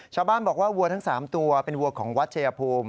ชาวบ้านบอกว่าวัวทั้ง๓ตัวเป็นวัวของวัดชายภูมิ